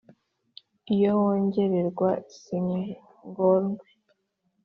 iyo ngororerwa singorwe